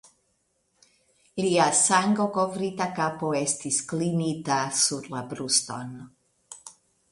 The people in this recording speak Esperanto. Lia sangkovrita kapo estis klinita sur la bruston.